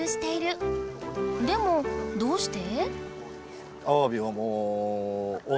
でもどうして？